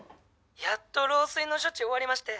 「やっと漏水の処置終わりまして」